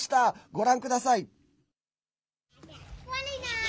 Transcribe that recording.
ご覧ください。